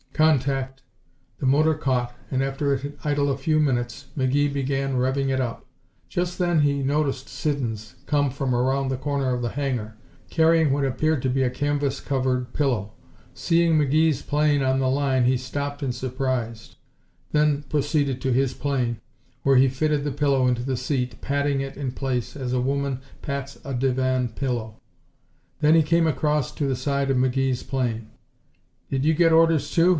"Contact." The motor caught, and after it had idled a few minutes McGee began revving it up. Just then he noticed Siddons come from around the corner of the hangar, carrying what appeared to be a canvas covered pillow. Seeing McGee's plane on the line he stopped in surprise, then proceeded to his plane, where he fitted the pillow into the seat, patting it in place as a woman pats a divan pillow. Then he came across to the side of McGee's plane. "Did you get orders, too?"